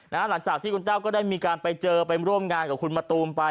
หลังจากที่คุณแต้วก็ได้มีการไปเจอไปร่วมงานกับคุณมะตูมไป